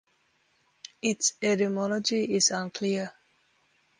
Its etymology is unclear.